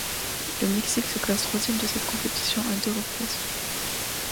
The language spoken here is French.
Le Mexique se classe troisième de cette compétition à deux reprises.